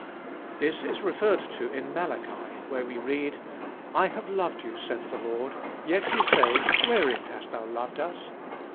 This is referred to in Malachi, where we read, "I have loved you, saith the Lord; yet ye say, wherein hast thou loved us?